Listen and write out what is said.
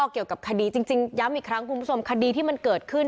เกี่ยวกับคดีจริงย้ำอีกครั้งคุณผู้ชมคดีที่มันเกิดขึ้น